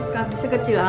kandusnya kecil amat ya